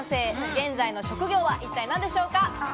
現在の職業は一体何でしょうか？